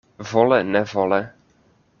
Vole-nevole.